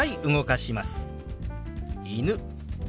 「犬」。